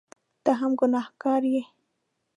ته هم ګنهکاره یې !